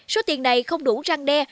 số tiền này không đủ răng đe